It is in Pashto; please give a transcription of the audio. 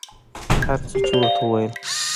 هر څه یې ورته وویل.